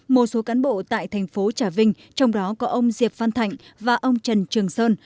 một số cán bộ tại tp trà vinh trong đó có ông diệp văn thạnh và ông trần trường sơn